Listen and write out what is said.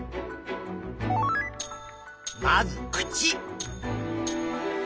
まず口。